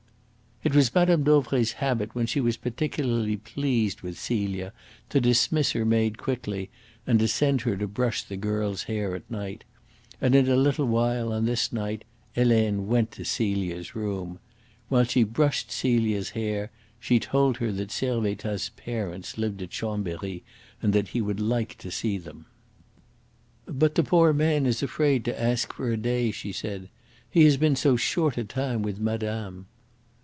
It was Madame Dauvray's habit when she was particularly pleased with Celia to dismiss her maid quickly, and to send her to brush the girl's hair at night; and in a little while on this night Helene went to Celia's room. While she brushed Celia's hair she told her that Servettaz's parents lived at Chambery, and that he would like to see them. "But the poor man is afraid to ask for a day," she said. "He has been so short a time with madame."